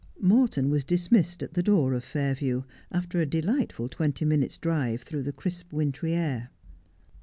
Morton was dismissed at the door of Fairview, after a delightful twenty minutes' drive through the crisp wintry air.